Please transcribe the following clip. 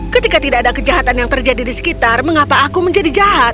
ketika tidak ada kejahatan yang terjadi di sekitar mengapa aku menjadi jahat